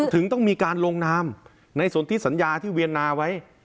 ถึงต้องมีการลงนามในส่วนที่สัญญาที่เวียนนาไว้